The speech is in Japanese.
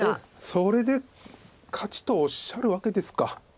それで勝ちとおっしゃるわけですか。